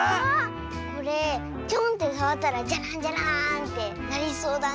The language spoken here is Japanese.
これチョンってさわったらジャランジャラーンってなりそうだね。